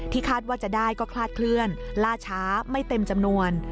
คาดว่าจะได้ก็คลาดเคลื่อนล่าช้าไม่เต็มจำนวน